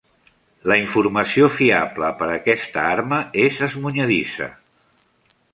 La informació fiable per a aquesta arma és esmunyedissa.